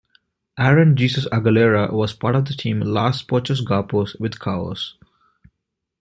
Aaron 'Jesus' Aguilera was part of the team Los Pochos Guapos with Kaos.